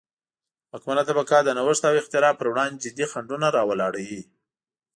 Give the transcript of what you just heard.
واکمنه طبقه د نوښت او اختراع پروړاندې جدي خنډونه را ولاړوي.